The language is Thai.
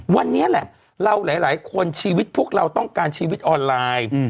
วันนี้แหละเราหลายคนชีวิตพวกเราต้องการชีวิตออนไลน์